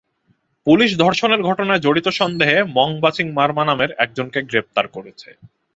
Police ধর্ষণের ঘটনায় জড়িত সন্দেহে মংবাচিং মারমা নামের একজনকে গ্রেপ্তার করেছে।